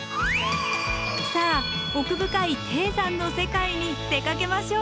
さあ奥深い低山の世界に出かけましょう。